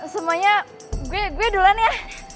semuanya gue duluan ya